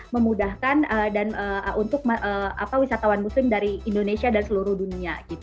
memudahkan untuk wisatawan muslim dari indonesia dan seluruh dunia